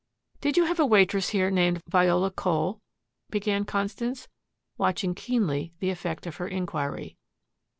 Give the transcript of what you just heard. "Did you have a waitress here named Viola Cole?" began Constance, watching keenly the effect of her inquiry.